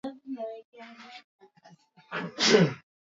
au kutokana na mate ya mnyama aliye na ugonjwa huu